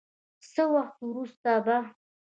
څه وخت وروسته به